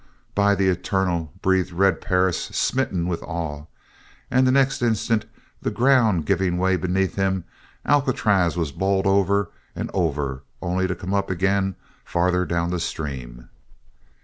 "By the Eternal!" breathed Red Perris, smitten with awe, and the next instant, the ground giving way beneath him, Alcatraz was bowled over and over, only to come up again farther down the stream.